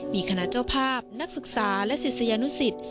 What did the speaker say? มีคณะเจ้าภาพนักศึกษาและศิษยานุสิต